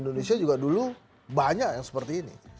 indonesia juga dulu banyak yang seperti ini